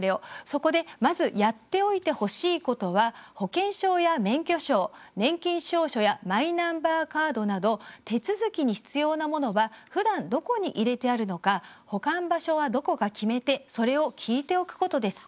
そこで、まずやっておいてほしいことは保険証や免許証、年金証書やマイナンバーカードなど手続きに必要なものはふだん、どこに入れてあるのか保管場所はどこか決めてそれを聞いておくことです。